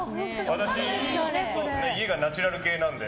私、家がナチュラル系なので。